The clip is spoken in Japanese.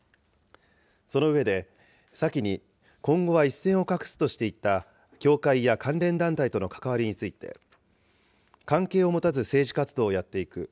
その上で、先に今後は一線を画すとしていた教会や関連団体との関わりについて、関係を持たず政治活動をやっていく。